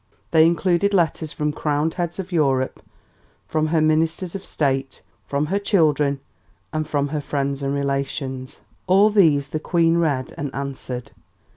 They include letters from crowned heads of Europe, from her ministers of State, from her children, and from her friends and relations. All these the Queen read and answered.